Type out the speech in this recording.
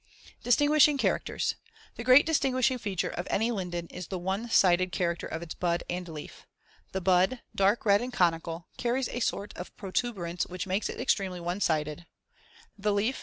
] Distinguishing characters: The great distinguishing feature of any linden is the *one sided* character of its *bud* and *leaf*. The bud, dark red and conical, carries a sort of protuberance which makes it extremely one sided as shown in Fig. 77. The leaf, Fig.